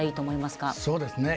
そうですね。